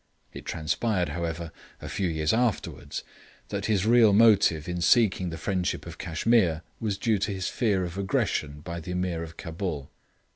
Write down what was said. It transpired, however, a few years afterwards, that his real motive in seeking the friendship of Cashmere was due to his fear of aggression by the Ameer of Cabul.